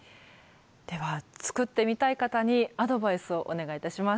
では作ってみたい方にアドバイスをお願いいたします。